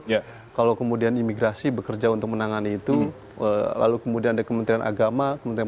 ya kalau kemudian imigrasi bekerja untuk menangani itu lalu kemudian ada kementerian agama kementerian